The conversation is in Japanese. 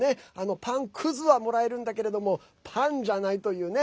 パンくずはもらえるんだけれどもパンじゃないというね。